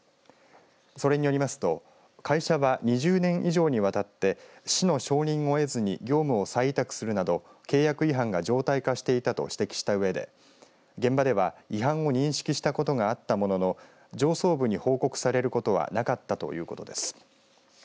それによりますと会社は、２０年以上にわたって市の承認を得ずに業務を再委託するなど契約違反が常態化していたと指摘したうえで現場では、違反を認識したことがあったものの上層部に報告されることはなかったということです。